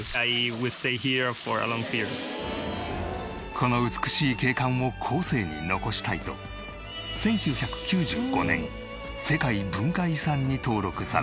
この美しい景観を後世に残したいと１９９５年世界文化遺産に登録された。